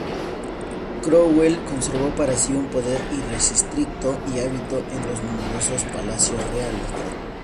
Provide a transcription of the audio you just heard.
Cromwell conservó para sí un poder irrestricto y habitó en los numerosos palacios reales.